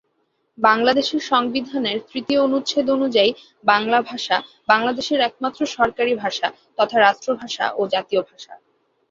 বাংলাদেশের সংবিধানের তৃতীয় অনুচ্ছেদ অনুযায়ী, বাংলা ভাষা বাংলাদেশের একমাত্র সরকারি ভাষা তথা রাষ্ট্রভাষা ও জাতীয় ভাষা।